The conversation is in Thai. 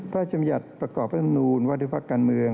ประจำยัดประกอบประสำนูลวัตถุภักษ์การเมือง